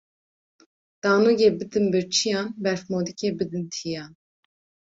Danûgê bidin birçiyan, berfmotikê bidin tiyan